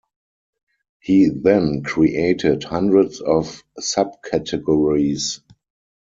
He then created hundreds of subcategories.